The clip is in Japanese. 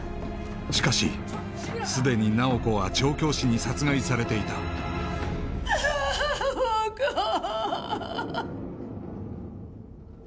しかし既に奈保子は調教師に殺害されていたああ奈保子！